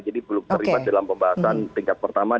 jadi belum terlibat dalam pembahasan tingkat pertama